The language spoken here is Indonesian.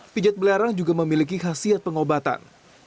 pijat belerang juga memiliki khasiat pengobatan